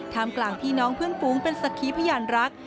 ทำกล่างพี่น้องเพื่อนฟุ้งเป็นศักดิ์พยานรัก